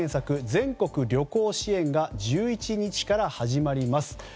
全国旅行支援が１１日から始まります。